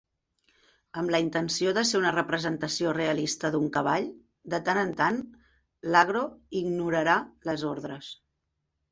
Amb la intenció de ser una representació realista d'un cavall, de tant en tant l'Agro ignorarà les ordres.